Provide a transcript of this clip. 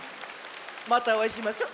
またおあいしましょ。